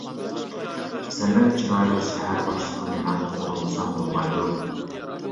سەندەك چىرايلىق شەھەر باشلىقىنى مەن قوغدىمىسام بولمايدۇ.